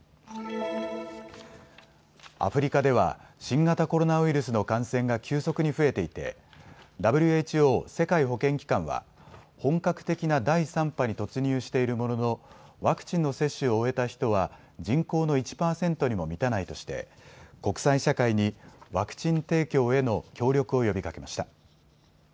アフリカでは新型コロナウイルスの感染が急速に増えていてＷＨＯ・世界保健機関は本格的な第３波に突入しているもののワクチンの接種を終えた人は人口の１％にも満たないとして、国際社会にワクチン提供への協力を呼びかけました。